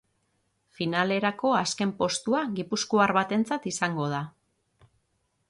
Finalerako azken postua gipuzkoar batentzat izango da.